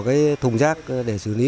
cái thùng rác để xử lý